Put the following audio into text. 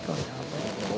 kalau udah apaan